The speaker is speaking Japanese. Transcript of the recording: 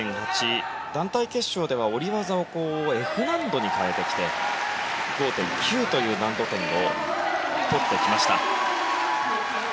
団体決勝では下り技をＦ難度に変えてきて５．９という難度点を取ってきました。